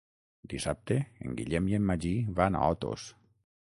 Dissabte en Guillem i en Magí van a Otos.